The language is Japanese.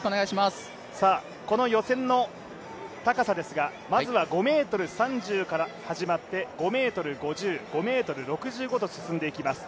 この予選の高さですが、まずは５ｍ３０から始まって５ｍ５０、５ｍ６５と進んでいきます。